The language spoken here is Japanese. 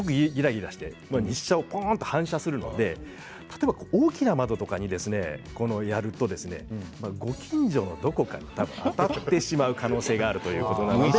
日射をすごく反射するので大きな窓とかにやるとご近所のどこかに当たってしまう可能性があるということなんです。